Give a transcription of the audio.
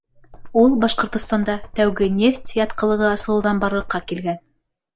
Ул Башҡортостанда тәүге нефть ятҡылығы асылыуҙан барлыҡҡа килгән.